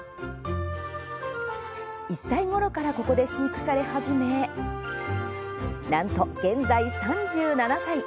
１歳ごろからここで飼育され始めなんと現在３７歳。